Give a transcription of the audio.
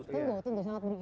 itu juga sangat merugikan